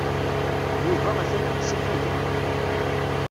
Yuba atan deg usafag-a.